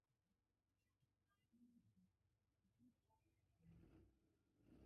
শান্ত হিসেবি সাধারণ সংসারী মানুষ তুই।